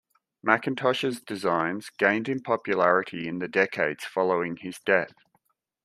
Mackintosh's designs gained in popularity in the decades following his death.